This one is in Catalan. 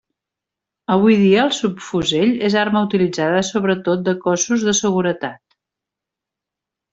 Avui dia el subfusell és arma utilitzada sobretot de cossos de seguretat.